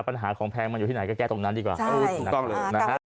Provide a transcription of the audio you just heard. ปัญหาของแพงมันอยู่ที่ไหนก็แก้ตรงนั้นดีกว่าถูกต้องเลยนะฮะ